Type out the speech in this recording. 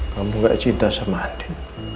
kamu gak cinta sama adi